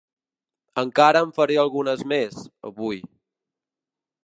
Encara en faré algunes més, avui.